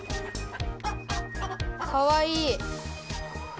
かわいい。